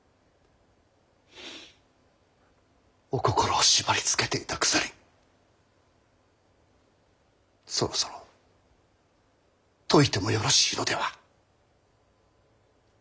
お心を縛りつけていた鎖そろそろ解いてもよろしいのでは？